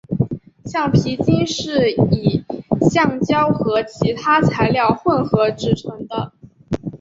橡皮筋是以橡胶和其他材料混合制成的。